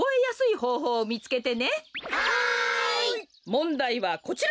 もんだいはこちら。